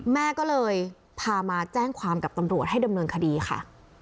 แม่ก็เลยพามาแจ้งความกับตำรวจให้ดำเนินคดีค่ะ